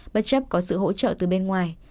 bất chấp có sự hỗ trợ từ bên ngoài